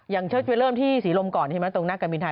อย่างเริ่มที่สีลมเก่าตรงหน้ากับกัมพีธาย